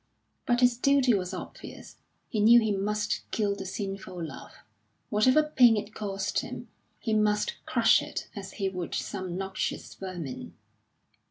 But his duty was obvious; he knew he must kill the sinful love, whatever pain it cost him; he must crush it as he would some noxious vermin.